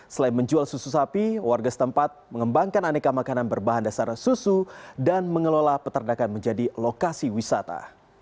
selain menjual susu sapi warga setempat mengembangkan aneka makanan berbahan dasar susu dan mengelola peternakan menjadi lokasi wisata